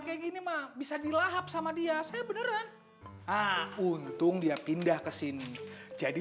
kayak gini mah bisa dilahap sama dia saya beneran untung dia pindah ke sini jadi